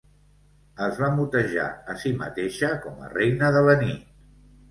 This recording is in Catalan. Es va motejar a si mateixa com a "Reina de la nit".